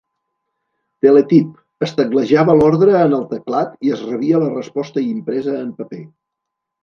Teletip: es teclejava l'ordre en el teclat i es rebia la resposta impresa en paper.